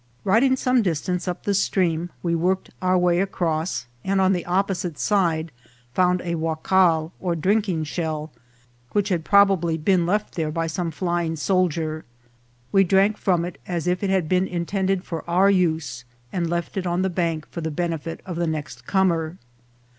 Riding some distance up the stream, we worked our way across, and on the opposite side found a waccal or drinking shell, which had prob ably been left there by some flying soldier. We drank from it as if it had been intended for our use, and left it on the bank for the benefit of the next comer.